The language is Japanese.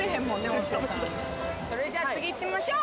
音声さんそれじゃあ次いってみましょう！